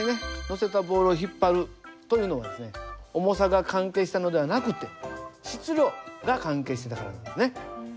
乗せたボールを引っ張るというのはですね「重さ」が関係したのではなくて「質量」が関係してたからなんですね。